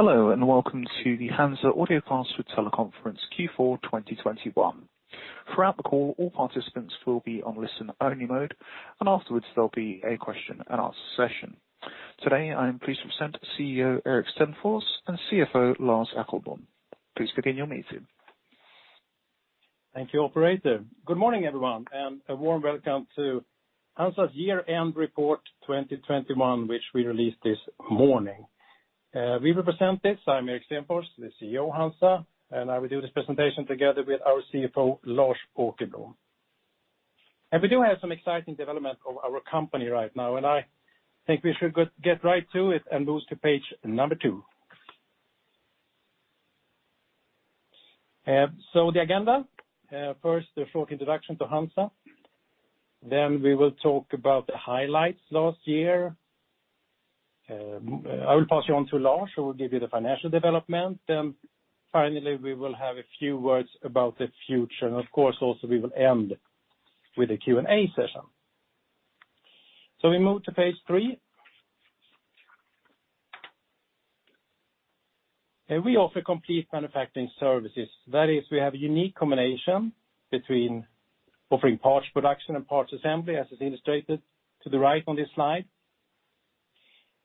Hello, and welcome to the HANZA Audio Conference with Teleconference Q4 2021. Throughout the call, all participants will be on listen-only mode, and afterwards, there'll be a question and answer session. Today, I am pleased to present CEO Erik Stenfors and CFO Lars Åkerblom. Please begin your meeting. Thank you, operator. Good morning, everyone, and a warm welcome to HANZA's year-end report 2021, which we released this morning. I'm Erik Stenfors, the CEO of HANZA, and I will do this presentation together with our CFO, Lars Åkerblom. We do have some exciting development of our company right now, and I think we should get right to it and move to page 2. The agenda, first, a short introduction to HANZA. Then we will talk about the highlights last year. I will pass you on to Lars, who will give you the financial development. Then finally, we will have a few words about the future. Of course, also we will end with a Q&A session. We move to page 3. We offer complete manufacturing services. That is, we have a unique combination between offering parts production and parts assembly, as is illustrated to the right on this slide.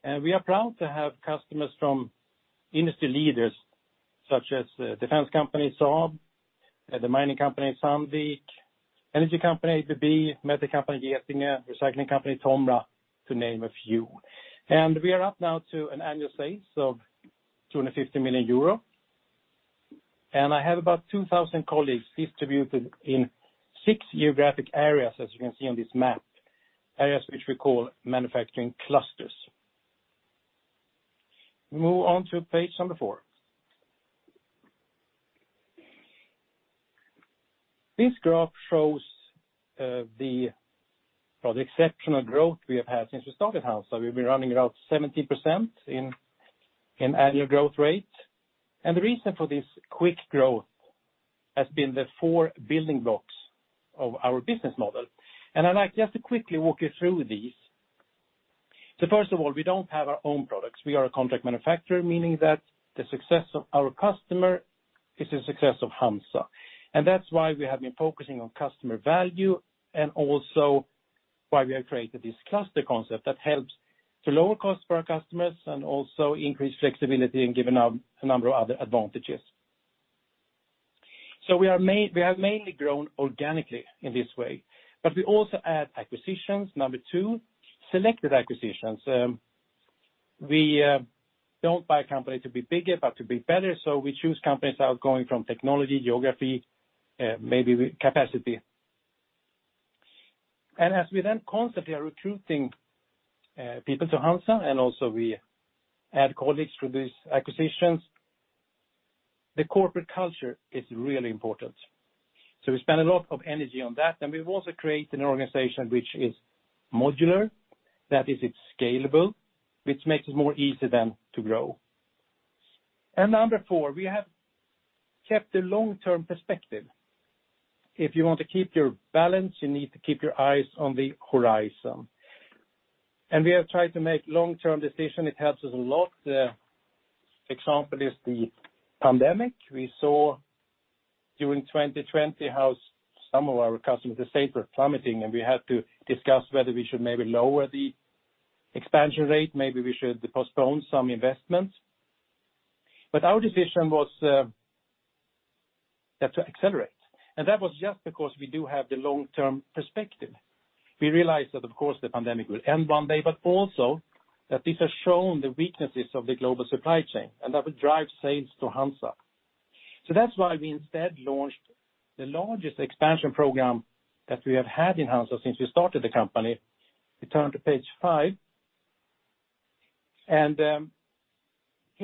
We are proud to have customers from industry leaders such as the defense company, Saab, the mining company Sandvik, energy company ABB, metal company Gjesting, recycling company, Tomra, to name a few. We are up now to an annual sales of 250 million euro. I have about 2,000 colleagues distributed in six geographic areas, as you can see on this map, areas which we call manufacturing clusters. Move on to page number 4. This graph shows the exceptional growth we have had since we started HANZA. We've been running about 70% in annual growth rate. The reason for this quick growth has been the four building blocks of our business model. I'd like just to quickly walk you through these. First of all, we don't have our own products. We are a contract manufacturer, meaning that the success of our customer is the success of HANZA. That's why we have been focusing on customer value and also why we have created this cluster concept that helps to lower costs for our customers and also increase flexibility and give a number of other advantages. We have mainly grown organically in this way, but we also add acquisitions. Number two, selected acquisitions. We don't buy a company to be bigger, but to be better. We choose companies that are strong in technology, geography, maybe capacity. As we then constantly are recruiting people to HANZA, and also we add colleagues through these acquisitions, the corporate culture is really important. We spend a lot of energy on that. We've also created an organization which is modular, that is, it's scalable, which makes it more easier then to grow. Number 4, we have kept a long-term perspective. If you want to keep your balance, you need to keep your eyes on the horizon. We have tried to make long-term decisions. It helps us a lot. The example is the pandemic. We saw during 2020 how some of our customers, their sales plummeting, and we had to discuss whether we should maybe lower the expansion rate, maybe we should postpone some investments. Our decision was to accelerate. That was just because we do have the long-term perspective. We realized that, of course, the pandemic will end one day, but also that this has shown the weaknesses of the global supply chain, and that will drive sales to HANZA. That's why we instead launched the largest expansion program that we have had in HANZA since we started the company. We turn to page five. Here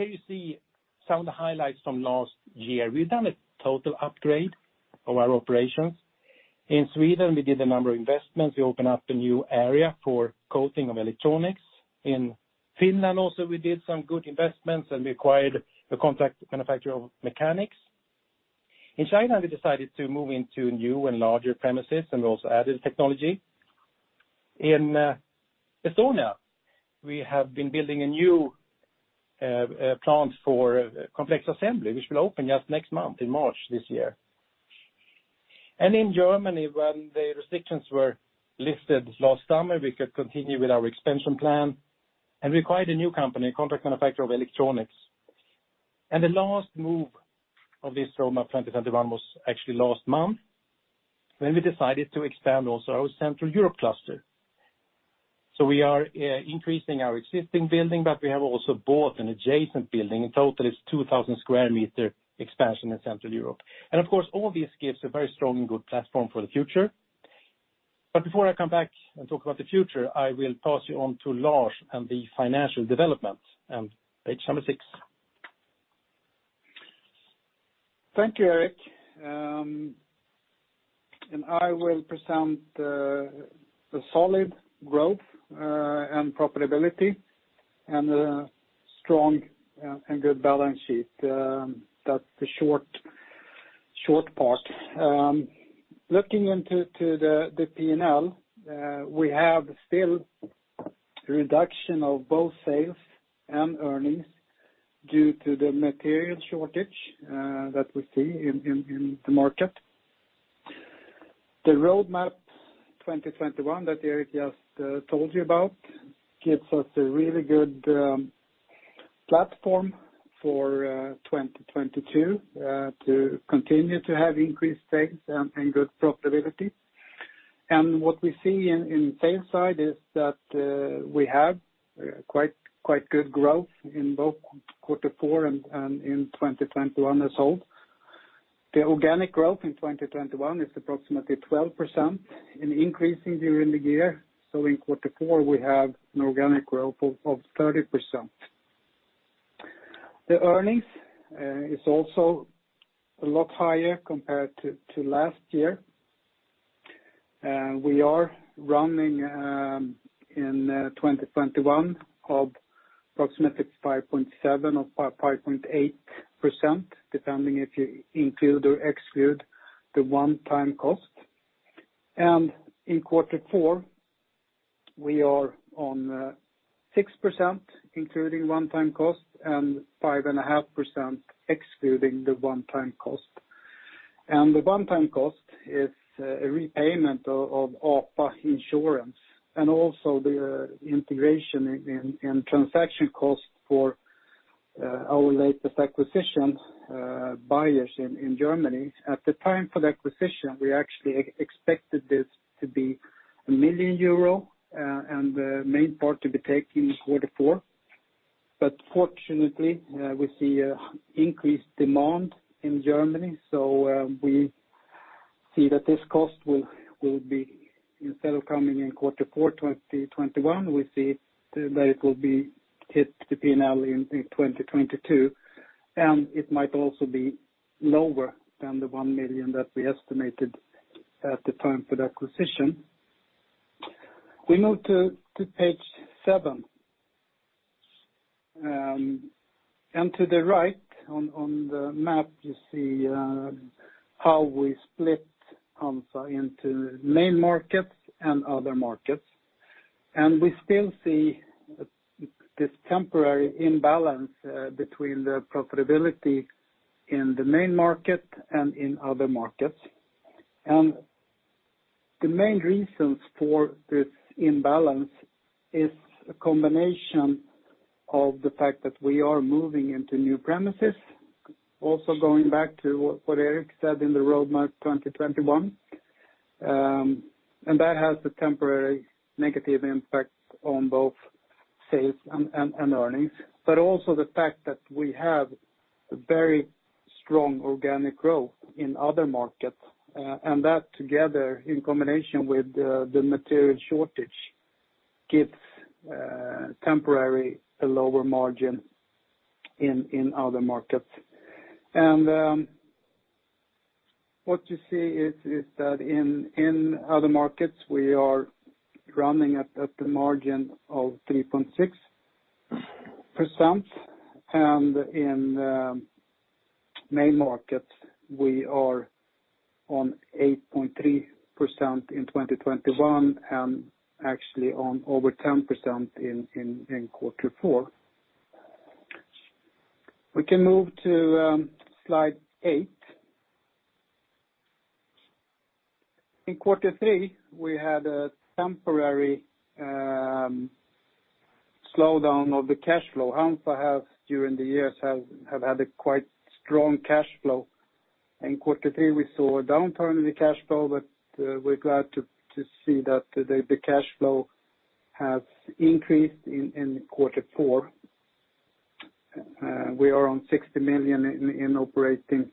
you see some of the highlights from last year. We've done a total upgrade of our operations. In Sweden, we did a number of investments. We opened up a new area for coating of electronics. In Finland also, we did some good investments, and we acquired a contract manufacturer of mechanics. In China, we decided to move into new and larger premises, and we also added technology. In Estonia, we have been building a new plant for complex assembly, which will open just next month in March this year. In Germany, when the restrictions were lifted last summer, we could continue with our expansion plan, and we acquired a new company, a contract manufacturer of electronics. The last move of this from our 2021 was actually last month, when we decided to expand also our Central Europe cluster. We are increasing our existing building, but we have also bought an adjacent building. In total, it's a 2,000 sq m expansion in Central Europe. Of course, all this gives a very strong and good platform for the future. Before I come back and talk about the future, I will pass you on to Lars and the financial development on page 6. Thank you, Erik. I will present the solid growth and profitability and a strong and good balance sheet that the short Short part. Looking into the P&L, we have still a reduction of both sales and earnings due to the material shortage that we see in the market. The Roadmap 2021 that Erik just told you about gives us a really good platform for 2022 to continue to have increased sales and good profitability. What we see in sales side is that we have quite good growth in both quarter four and in 2021 as whole. The organic growth in 2021 is approximately 12% and increasing during the year. In quarter four we have an organic growth of 30%. The earnings is also a lot higher compared to last year. We are running in 2021 of approximately 5.7% or 5.8%, depending if you include or exclude the one-time cost. In quarter four, we are on 6% including one-time costs and 5.5% excluding the one-time cost. The one-time cost is a repayment of APA insurance, and also the integration in transaction costs for our latest acquisition, Beyers in Germany. At the time for the acquisition, we actually expected this to be 1 million euro, and the main part to be taken in quarter four. Fortunately, we see an increased demand in Germany. We see that this cost will be instead of coming in quarter four, 2021, we see that it will be hit to P&L in 2022. It might also be lower than the 1 million that we estimated at the time for the acquisition. We move to page 7. To the right on the map you see how we split HANZA into Main Markets and Other Markets. We still see this temporary imbalance between the profitability in the Main Markets and in Other Markets. The main reasons for this imbalance is a combination of the fact that we are moving into new premises, also going back to what Erik said in the Roadmap 2021. That has a temporary negative impact on both sales and earnings, but also the fact that we have a very strong organic growth in Other Markets, and that together in combination with the material shortage gives temporary a lower margin in Other Markets. What you see is that in Other markets, we are running at the margin of 3.6%. In Main markets, we are on 8.3% in 2021, and actually on over 10% in quarter four. We can move to slide 8. In quarter three, we had a temporary slowdown of the cash flow. HANZA has during the years had a quite strong cash flow. In quarter three, we saw a downturn in the cash flow, but we're glad to see that the cash flow has increased in quarter four. We are on 60 million in operating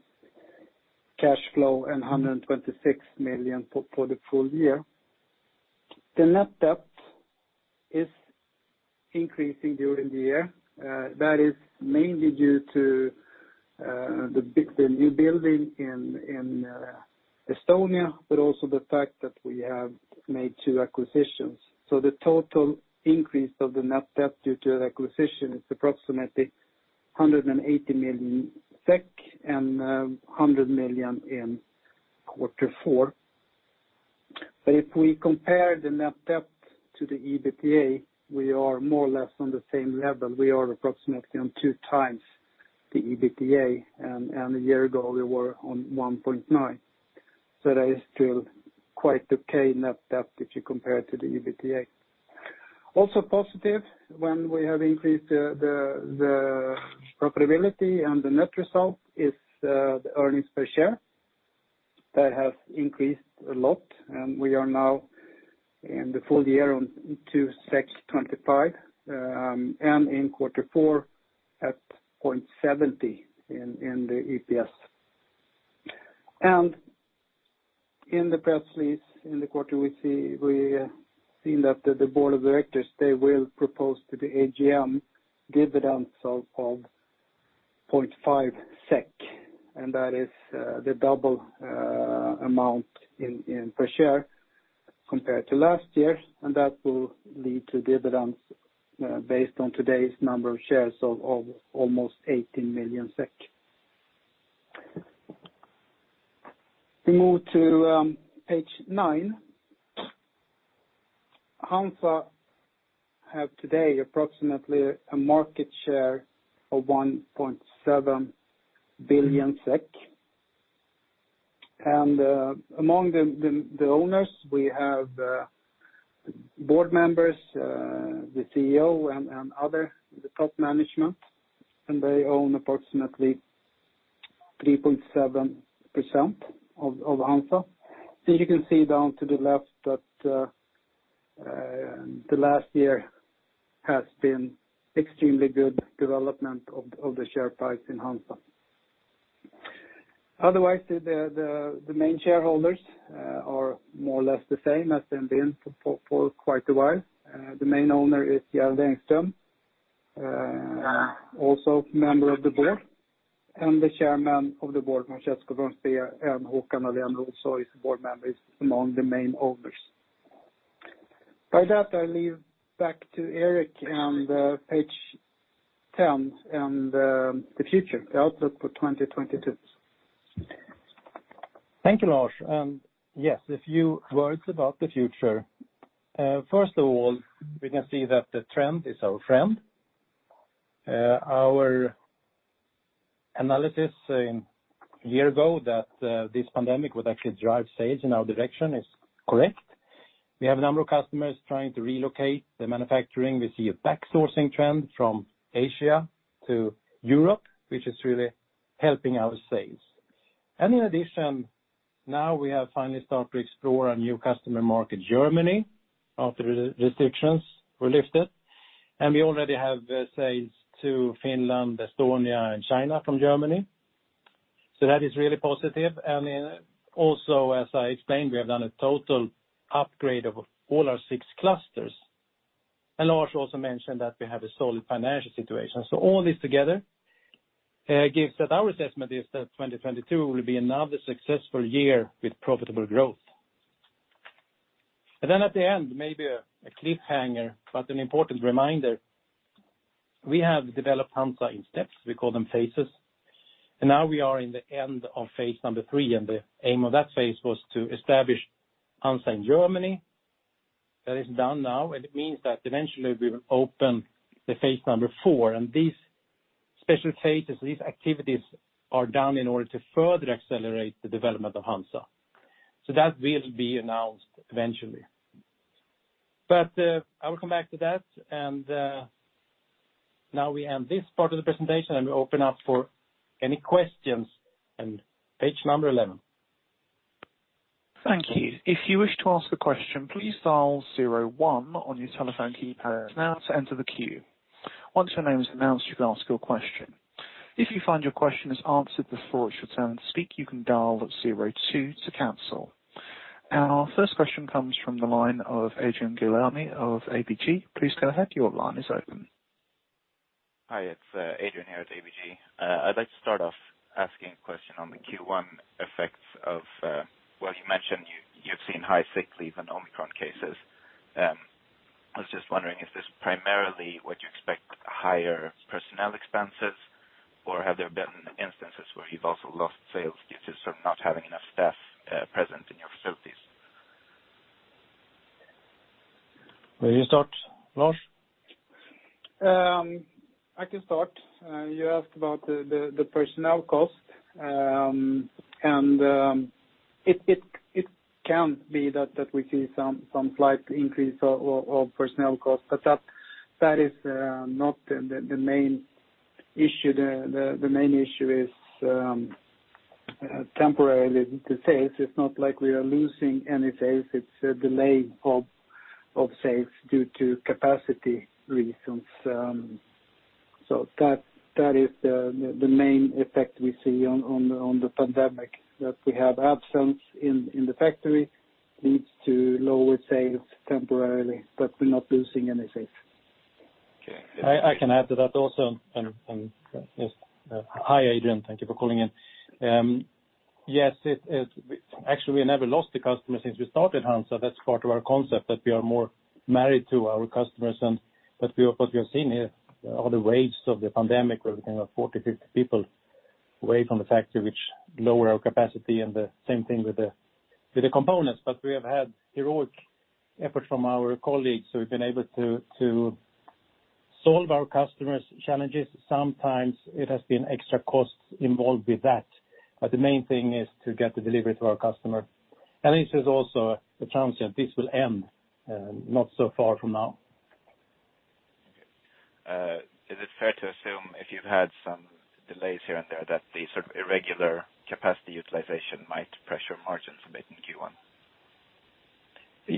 cash flow and 126 million for the full year. The net debt is increasing during the year. That is mainly due to the new building in Estonia, but also the fact that we have made two acquisitions. The total increase of the net debt due to acquisition is approximately 180 million SEK, and 100 million in quarter four. If we compare the net debt to the EBITDA, we are more or less on the same level. We are approximately on 2x the EBITDA, and a year ago we were on 1.9. That is still quite okay net debt if you compare to the EBITDA. Also positive when we have increased the profitability and the net result is the earnings per share. That has increased a lot, and we are now in the full year on 2.25, and in quarter four at 0.70 in the EPS. In the press release in the quarter we seen that the board of directors they will propose to the AGM dividends of 0.5 SEK, and that is the double amount in per share compared to last year, and that will lead to dividends based on today's number of shares of almost 18 million SEK. We move to page 9. HANZA have today approximately a market share of 1.7 billion SEK. Among the owners we have board members the CEO and other the top management, and they own approximately 3.7% of HANZA. You can see down to the left that the last year has been extremely good development of the share price in HANZA. Otherwise, the main shareholders are more or less the same as they've been for quite a while. The main owner is Gerald Engström, also Member of the Board, and the Chairman of the Board, Francesco Franzé, and Håkan Halén also is a Board Member, is among the main owners. By that, I leave back to Erik on page ten and the future, the outlook for 2022. Thank you, Lars. Yes, a few words about the future. First of all, we can see that the trend is our friend. Our analysis a year ago that this pandemic would actually drive sales in our direction is correct. We have a number of customers trying to relocate their manufacturing. We see a backsourcing trend from Asia to Europe, which is really helping our sales. In addition, now we have finally started to explore a new customer market, Germany, after the restrictions were lifted. We already have sales to Finland, Estonia, and China from Germany. That is really positive. Also, as I explained, we have done a total upgrade of all our six clusters. Lars also mentioned that we have a solid financial situation. All this together gives that our assessment is that 2022 will be another successful year with profitable growth. At the end, maybe a cliffhanger, but an important reminder. We have developed HANZA in steps. We call them phases. Now we are in the end of phase number 3, and the aim of that phase was to establish HANZA in Germany. That is done now, and it means that eventually we will open the phase number 4. These special phases, these activities are done in order to further accelerate the development of HANZA. That will be announced eventually. I will come back to that. Now we end this part of the presentation, and we open up for any questions on page number 11. Our first question comes from the line of Adrian Gilani of ABG. Please go ahead. Your line is open. Hi, it's Adrian here at ABG. I'd like to start off asking a question on the Q1 effects of. Well, you mentioned you've seen high sick leave and Omicron cases. I was just wondering, is this primarily, would you expect higher personnel expenses, or have there been instances where you've also lost sales due to sort of not having enough staff present in your facilities? Will you start, Lars? I can start. You asked about the personnel cost. It can be that we see some slight increase of personnel costs, but that is not the main issue. The main issue is temporarily the sales. It's not like we are losing any sales. It's a delay of sales due to capacity reasons. That is the main effect we see on the pandemic, that we have absence in the factory leads to lower sales temporarily, but we're not losing any sales. Okay. I can add to that also. Yes. Hi, Adrian. Thank you for calling in. Yes, actually, we never lost a customer since we started HANZA. That's part of our concept, that we are more married to our customers. What we have seen here are the waves of the pandemic where we can have 40, 50 people away from the factory, which lower our capacity, and the same thing with the components. But we have had heroic effort from our colleagues, so we've been able to solve our customers' challenges. Sometimes it has been extra costs involved with that, but the main thing is to get the delivery to our customer. This is also a transient. This will end not so far from now. Okay. Is it fair to assume if you've had some delays here and there that the sort of irregular capacity utilization might pressure margins a bit in Q1?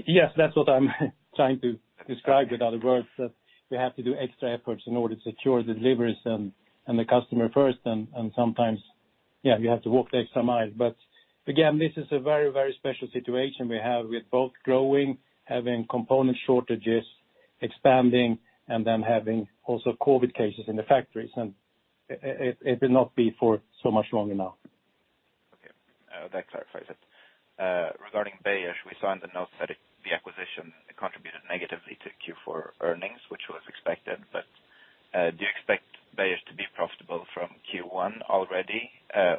Yes, that's what I'm trying to describe with other words, that we have to do extra efforts in order to secure the deliveries and the customer first. Sometimes, yeah, we have to walk the extra mile. Again, this is a very, very special situation we have. We're both growing, having component shortages, expanding, and then having also COVID cases in the factories. It will not be for so much longer now. Okay. That clarifies it. Regarding Beyers, we saw in the notes that the acquisition contributed negatively to Q4 earnings, which was expected. Do you expect Beyers to be profitable from Q1 already,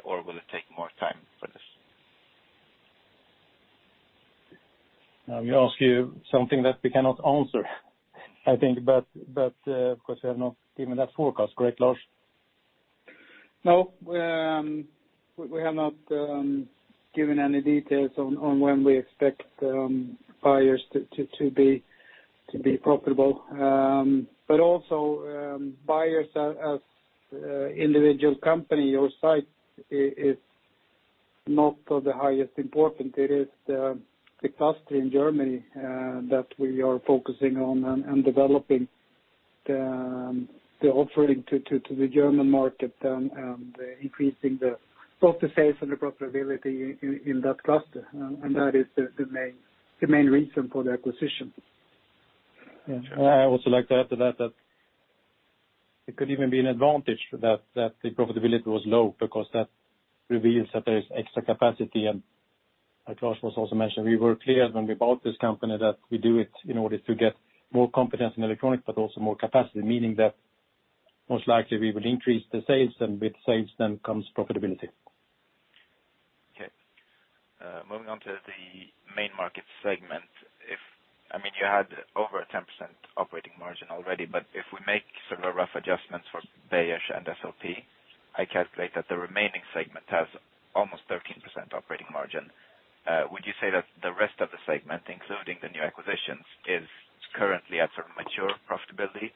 or will it take more time for this? Now you're asking something that we cannot answer, I think. Of course we have not given that forecast, correct, Lars? No, we have not given any details on when we expect Beyers to be profitable. Also, Beyers as individual company or site is not of the highest importance. It is the cluster in Germany that we are focusing on and developing the offering to the German market and increasing both the sales and the profitability in that cluster. That is the main reason for the acquisition. Yeah. I also like to add to that it could even be an advantage that the profitability was low because that reveals that there is extra capacity. Like Lars Åkerblom was also mentioned, we were clear when we bought this company that we do it in order to get more competence in electronics, but also more capacity. Meaning that most likely we will increase the sales, and with sales then comes profitability. Okay. Moving on to the Main markets segment. I mean, you had over 10% operating margin already, but if we make sort of a rough adjustments for Beyers and SLP, I calculate that the remaining segment has almost 13% operating margin. Would you say that the rest of the segment, including the new acquisitions, is currently at sort of mature profitability,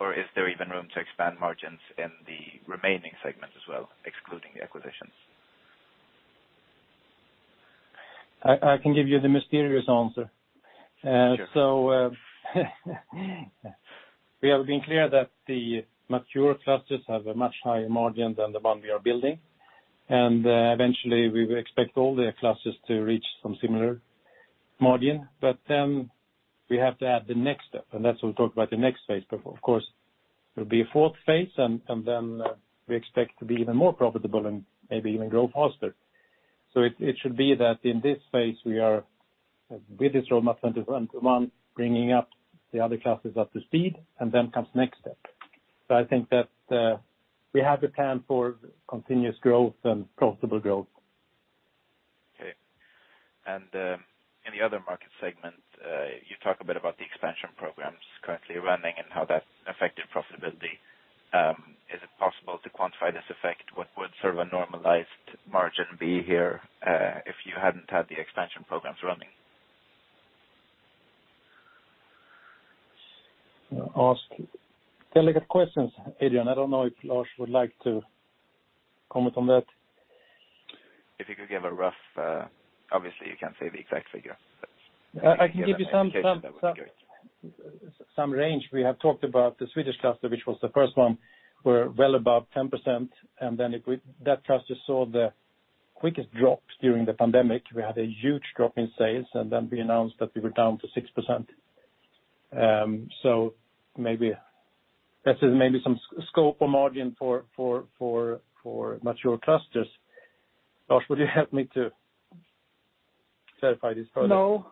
or is there even room to expand margins in the remaining segment as well, excluding the acquisitions? I can give you the mysterious answer. Sure. We have been clear that the mature clusters have a much higher margin than the one we are building. Eventually we expect all the clusters to reach some similar margin. We have to add the next step, and that's what we talked about the next phase. Of course, there'll be a fourth phase and then we expect to be even more profitable and maybe even grow faster. It should be that in this phase, we are with this Roadmap 2021 bringing up the other clusters up to speed, and then comes next step. I think that we have a plan for continuous growth and profitable growth. Okay. In the Other markets segment, you talk a bit about the expansion programs currently running and how that affected profitability. Is it possible to quantify this effect? What would sort of a normalized margin be here, if you hadn't had the expansion programs running? You ask delicate questions, Adrian. I don't know if Lars would like to comment on that. If you could give a rough, obviously, you can't say the exact figure, but if you could give an indication, that would be great. I can give some range. We have talked about the Swedish cluster, which was the first one. We're well above 10%. That cluster saw the quickest drops during the pandemic. We had a huge drop in sales, and then we announced that we were down to 6%. So maybe this is some scope or margin for mature clusters. Lars, would you help me to clarify this further? No.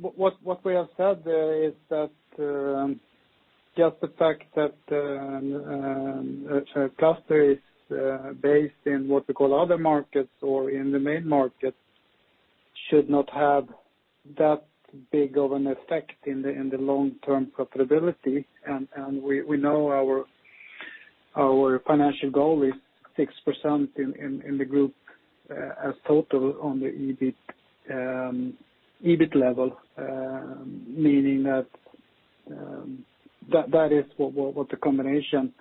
What we have said is that a cluster is based in what we call Other markets or in the Main market should not have that big of an effect in the long-term profitability. We know our financial goal is 6% in the group as total on the EBIT level. Meaning that that is what the combination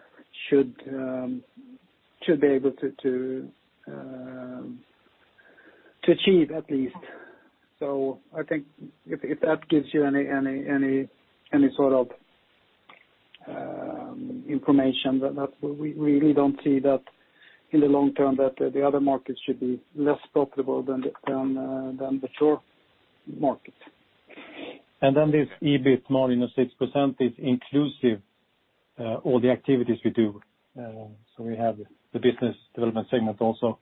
should be able to achieve at least. I think if that gives you any sort of information. That we really don't see that in the long term, that the Other markets should be less profitable than the Main market. This EBIT margin of 6% is inclusive of all the activities we do. We have the Business development segment also.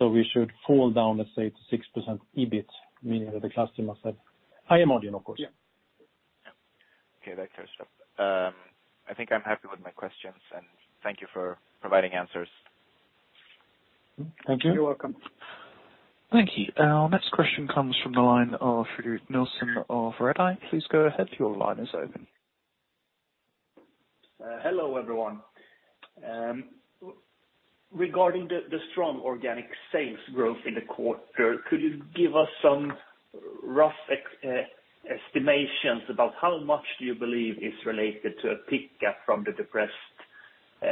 We should fall down, let's say, to 6% EBIT, meaning that the customer side higher margin, of course. Yeah. Okay. That clears it up. I think I'm happy with my questions, and thank you for providing answers. Thank you. You're welcome. Thank you. Our next question comes from the line of Fredrik Nilsson of Redeye. Please go ahead. Your line is open. Hello, everyone. Regarding the strong organic sales growth in the quarter, could you give us some rough estimations about how much do you believe is related to a pick up from the depressed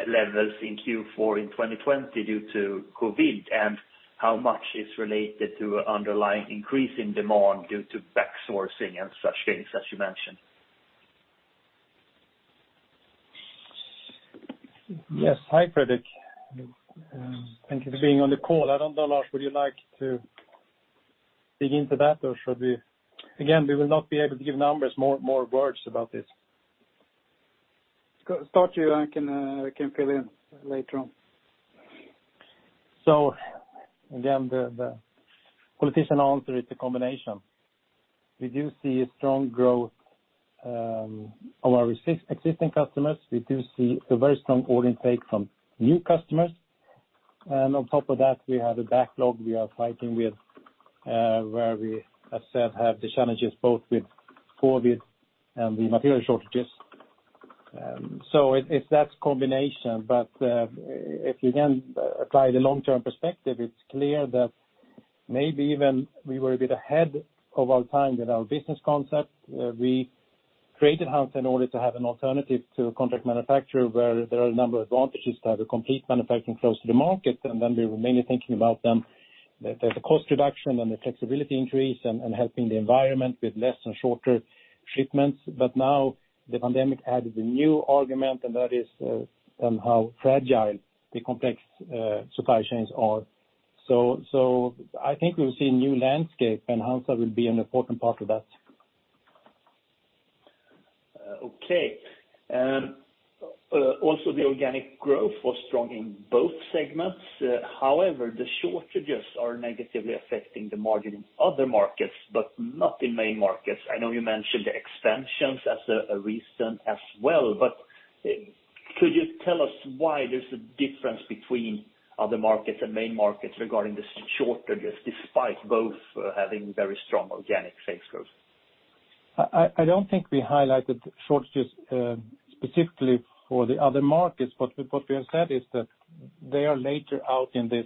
levels in Q4 in 2020 due to COVID, and how much is related to underlying increase in demand due to backsourcing and such things as you mentioned? Yes. Hi, Fredrik. Thank you for being on the call. I don't know, Lars, would you like to dig into that, or should we? Again, we will not be able to give numbers, more words about this. I can fill in later on. Again, the politician answer is the combination. We do see a strong growth of our existing customers. We do see a very strong order intake from new customers, and on top of that, we have a backlog we are fighting with, where we, as said, have the challenges both with COVID and the material shortages. It is that combination. If you can apply the long-term perspective, it is clear that maybe even we were a bit ahead of our time with our business concept. We created HANZA in order to have an alternative to a contract manufacturer where there are a number of advantages to have a complete manufacturing close to the market. Then we were mainly thinking about them. There is a cost reduction and the flexibility increase and helping the environment with less and shorter transports. Now the pandemic added a new argument, and that is on how fragile the complex supply chains are. I think we'll see a new landscape, and HANZA will be an important part of that. Okay. Also the organic growth was strong in both segments. However, the shortages are negatively affecting the margin in Other Markets, but not in Main Markets. I know you mentioned the expansions as a reason as well, but could you tell us why there's a difference between Other Markets and Main Markets regarding the shortages, despite both having very strong organic sales growth? I don't think we highlighted shortages specifically for the Other Markets. What we have said is that they are later out in this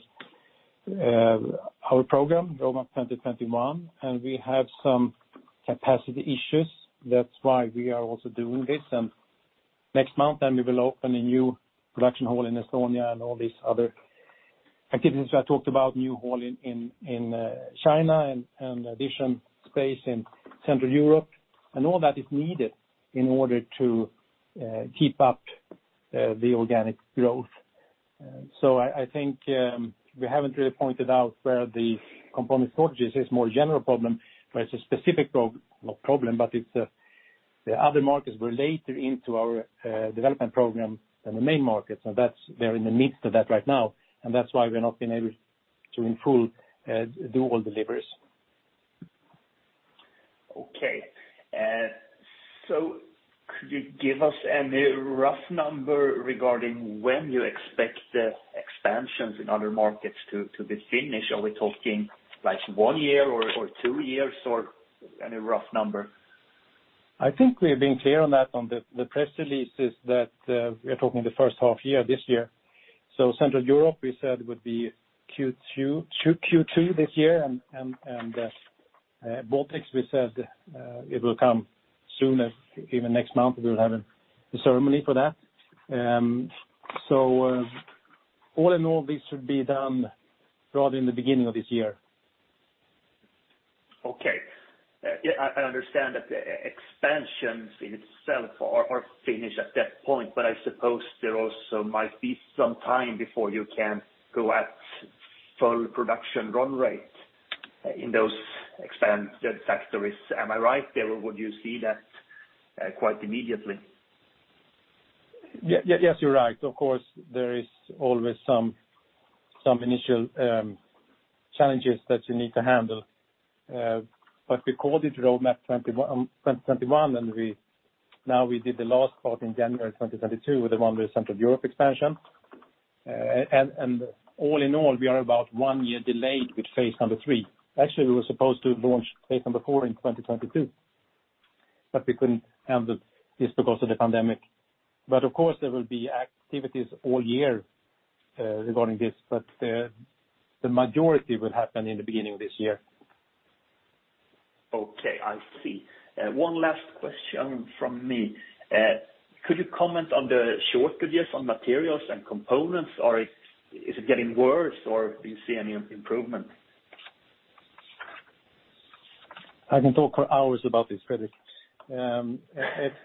our program, Roadmap 2021, and we have some capacity issues. That's why we are also doing this. Next month we will open a new production hall in Estonia and all these other activities I talked about, new hall in China and additional space in Central Europe. All that is needed in order to keep up the organic growth. I think we haven't really pointed out where the component shortages is a more general problem, but it's not a problem; it's the Other Markets were later into our development program than the Main Markets. That's. They're in the midst of that right now, and that's why we've not been able to in full do all deliveries. Okay. Could you give us any rough number regarding when you expect the expansions in Other Markets to be finished? Are we talking like one year or two years, or any rough number? I think we've been clear on that on the press releases that we are talking the first half year this year. Central Europe we said would be Q2 this year. Baltics we said it will come soon, as even next month we'll have a ceremony for that. All in all, this should be done probably in the beginning of this year. Okay. Yeah, I understand that the expansions in itself are finished at that point, but I suppose there also might be some time before you can go at full production run rate in those expanded factories. Am I right there or would you see that quite immediately? Yes, you're right. Of course, there is always some initial challenges that you need to handle. We called it Roadmap 2021, and now we did the last part in January 2022 with the one with Central Europe expansion. All in all, we are about one year delayed with phase number 3. Actually, we were supposed to launch phase number 4 in 2022, but we couldn't because of the pandemic. Of course there will be activities all year regarding this, but the majority will happen in the beginning of this year. Okay. I see. One last question from me. Could you comment on the shortages on materials and components? Is it getting worse or do you see any improvement? I can talk for hours about this, Fredrik. It's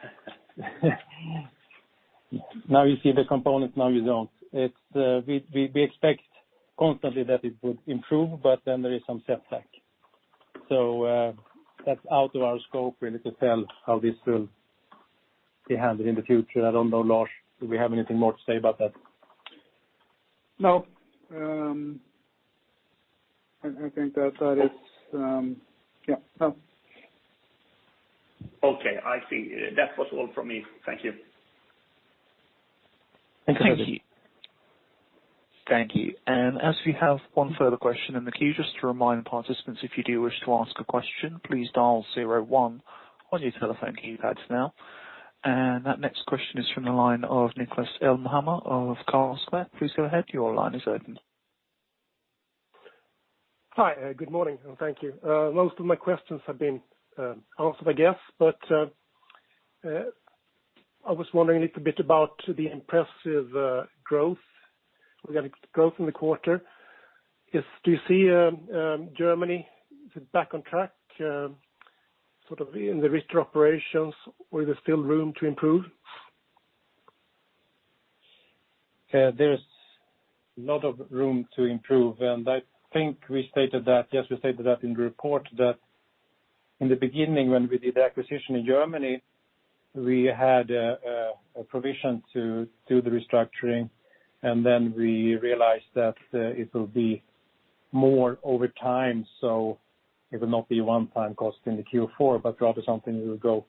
now you see the components, now you don't. It's we expect constantly that it would improve, but then there is some setback. That's out of our scope really to tell how this will be handled in the future. I don't know, Lars, do we have anything more to say about that? No. I think that is. Yeah, no. Okay. I see. That was all from me. Thank you. Thank you. Thank you. As we have one further question in the queue, just to remind participants, if you do wish to ask a question, please dial zero one on your telephone keypads now. That next question is from the line of Niklas Elmhammer of Carlsquare. Please go ahead. Your line is open. Hi. Good morning, and thank you. Most of my questions have been answered I guess, but I was wondering a little bit about the impressive growth, organic growth in the quarter. Do you see Germany back on track, sort of in the restored operations? Or is there still room to improve? There's a lot of room to improve, and I think we stated that. Yes, we stated that in the report that in the beginning, when we did the acquisition in Germany, we had a provision to do the restructuring, and then we realized that it will be more over time. It will not be one time cost in the Q4, but rather something that will go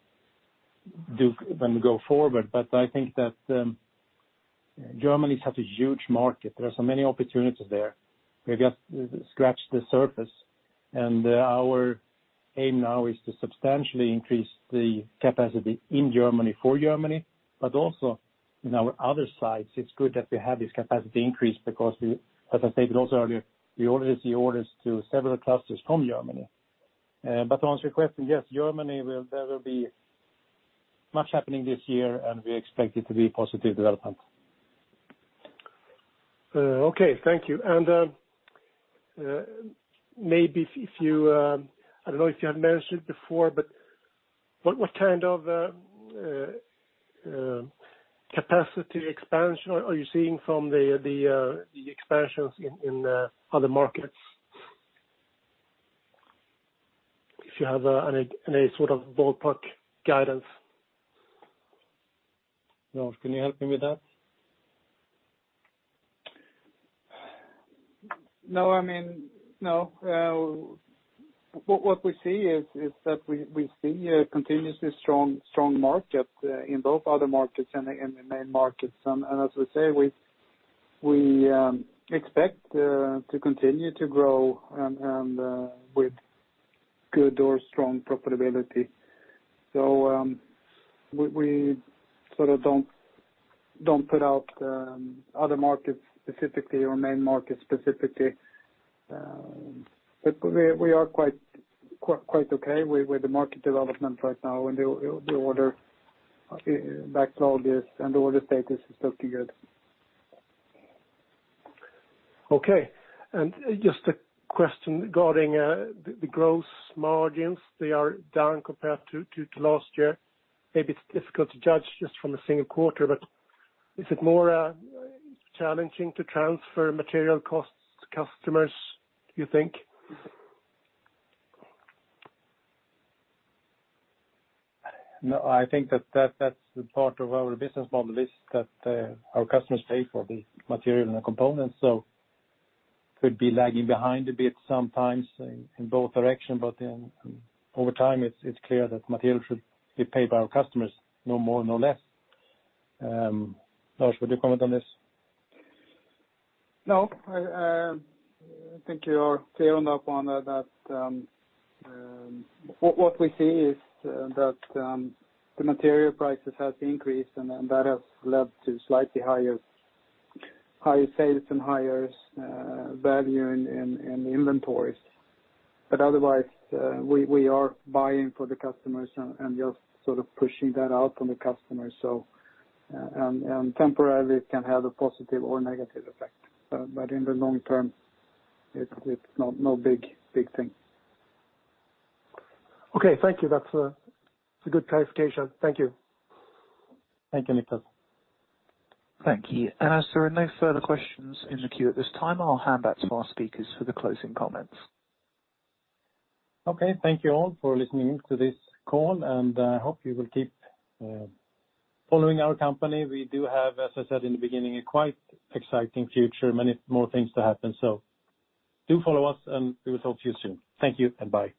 when we go forward. I think that Germany has a huge market. There are so many opportunities there. We've just scratched the surface, and our aim now is to substantially increase the capacity in Germany for Germany, but also in our other sites. It's good that we have this capacity increase because, as I said also earlier, we already see orders to several clusters from Germany. To answer your question, yes, Germany, there will be much happening this year, and we expect it to be a positive development. Okay. Thank you. Maybe if you, I don't know if you have mentioned before, but what kind of capacity expansion are you seeing from the expansions in Other markets? If you have any sort of ballpark guidance? Lars, can you help me with that? No, I mean. No. What we see is that we see a continuously strong market in both Other Markets and in the Main Markets. As we say, we expect to continue to grow and with good or strong profitability. We sort of don't put out Other Markets specifically or Main Markets specifically. We are quite okay with the market development right now, and the order backlog is, and the order status is looking good. Okay. Just a question regarding the gross margins. They are down compared to last year. Maybe it's difficult to judge just from a single quarter, but is it more challenging to transfer material costs to customers, do you think? No, I think that's the part of our business model is that, our customers pay for the material and the components. Could be lagging behind a bit sometimes in both directions. Over time, it's clear that material should be paid by our customers, no more, no less. Lars Åkerblom, would you comment on this? No, I think you are clear enough on that. What we see is that the material prices has increased, and then that has led to slightly higher sales and higher value in inventories. Otherwise, we are buying for the customers and just sort of pushing that out on the customers. Temporarily it can have a positive or negative effect. In the long term, it's not no big thing. Okay. Thank you. That's a, it's a good clarification. Thank you. Thank you, Niklas. Thank you. As there are no further questions in the queue at this time, I'll hand back to our speakers for the closing comments. Okay. Thank you all for listening to this call, and I hope you will keep following our company. We do have, as I said in the beginning, a quite exciting future. Many more things to happen. Do follow us, and we will talk to you soon. Thank you and bye.